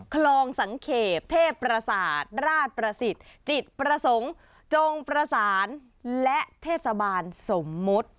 คลองสังเขตเทพประสาทราชประสิทธิ์จิตประสงค์จงประสานและเทศบาลสมมติ